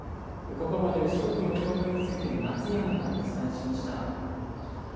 ここまで四国の状況について松山からお伝えしました。